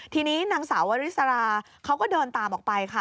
ทีนี้นางสาววริสราเขาก็เดินตามออกไปค่ะ